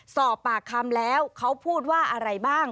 สอบปากคำแล้วเขาพูดว่าอะไรบ้าง